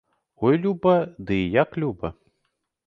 Ой, люба, ды і як люба!